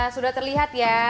sudah terlihat ya